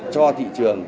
cho thị trường